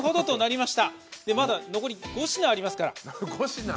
まだ残り５品ありますからね。